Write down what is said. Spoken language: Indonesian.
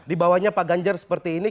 di bawahnya pak ganjar seperti ini